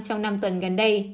trong năm tuần gần đây